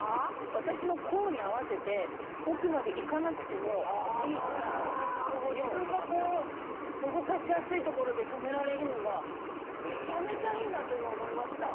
私の甲に合わせて奥までいかなくてもいいから自分がこう動かしやすい所で留められるのがめちゃめちゃいいなと今思いました。